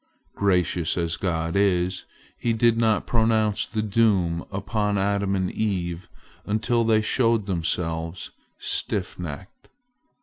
Gracious as God is, He did not pronounce the doom upon Adam and Eve until they showed themselves stiff necked.